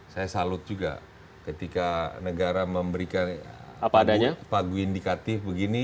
saya salut juga ketika negara memberikan pagu indikatif begini